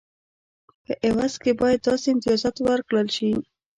په عوض کې باید داسې امتیازات ورکړل شي.